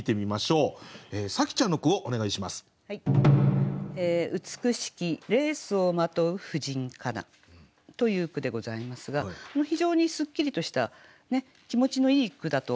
「うつくしきレースを纏ふ婦人かな」という句でございますが非常にすっきりとした気持ちのいい句だと思います。